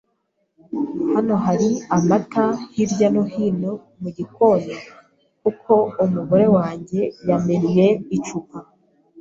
Hano hari amata hirya no hino mugikoni kuko umugore wanjye yamennye icupa.